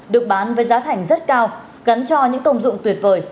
được bán với giá thành rất cao gắn cho những công dụng tuyệt vời